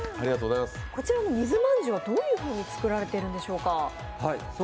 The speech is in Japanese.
こちらの水まんじゅうはどんなふうに作られているんでしょうか。